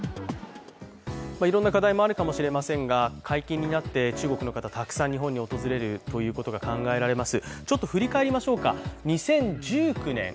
いろんな課題があるかもしれませんが解禁になって中国の方、たくさん日本に訪れるということが考えられます。